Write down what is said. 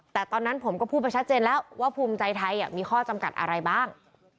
แต่ตอนนั้นผมก็พูดไปชัดเจนแล้วว่าภูมิใจไทยมีข้อจำกัดอะไรบ้าง